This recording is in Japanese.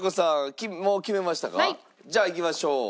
じゃあいきましょう。